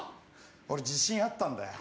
俺自信あったんだよ